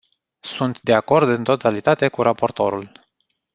Sunt de acord în totalitate cu raportorul.